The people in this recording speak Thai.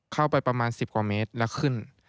เข้าไปประมาณ๑๐กว่าเมตรแล้วขึ้น